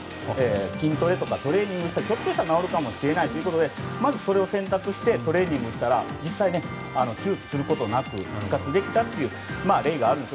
筋トレとかトレーニングとかしたらひょっとしたら治るかもしれないということでまずそれを選択してトレーニングをしたら実際、手術することなく復活できたという例もあります。